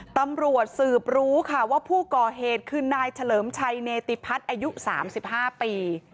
ตำรวจสืบรู้ค่ะว่าผู้ก่อเหตุคือนายเฉลิมชัยเนติพัฒน์อายุ๓๕ปี